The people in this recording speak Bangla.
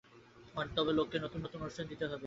তবে লোককে নূতন নূতন অনুষ্ঠান দিতে হবে।